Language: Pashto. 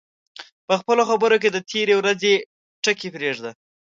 په خپلو خبرو کې د تېرې ورځې ټکي پرېږده